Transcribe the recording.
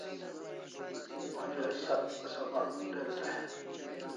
Onja se sabak del dai